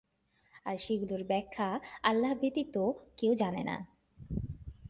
আর সেগুলোর ব্যাখ্যা আল্লাহ ব্যতীত কেউ জানে না।